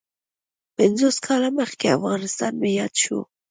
پنځوس کاله مخکې افغانستان مې یاد شو.